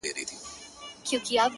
ستا وه ديدن ته هواداره يمه ـ